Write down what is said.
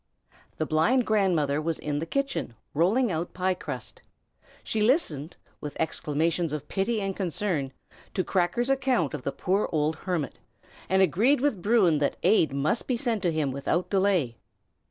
The blind grandmother was in the kitchen, rolling out pie crust. She listened, with exclamations of pity and concern, to Cracker's account of the poor old hermit, and agreed with Bruin that aid must be sent to him without delay.